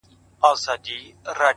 ستا خو د سونډو د خندا خبر په لپه كي وي”